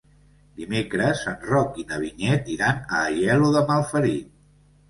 Dimecres en Roc i na Vinyet iran a Aielo de Malferit.